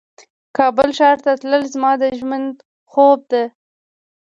کابل ښار ته تلل زما د ژوند خوب ده